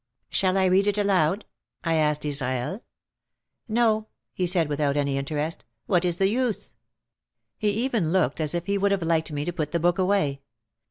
"Shall I read it aloud ?" I asked Israel. "No," he said, without any interest. "What is the use?" He even looked as if he would have liked me to put the book away.